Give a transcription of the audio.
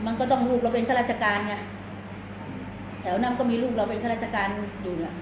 มันก็ต้องลูกเราเป็นข้าราชการไงแถวนั้นก็มีลูกเราเป็นข้าราชการอยู่น่ะ